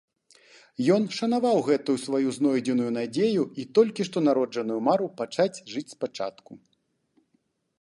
Ён шанаваў гэтую сваю знойдзеную надзею і толькі што народжаную мару пачаць жыць спачатку.